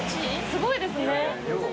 すごいですね。